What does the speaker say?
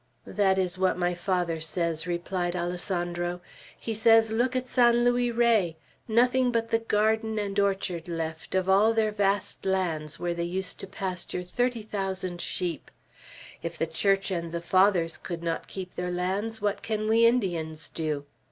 "That is what my father says," replied Alessandro. "He says, 'Look at San Luis Rey! Nothing but the garden and orchard left, of all their vast lands where they used to pasture thirty thousand sheep. If the Church and the Fathers could not keep their lands, what can we Indians do?'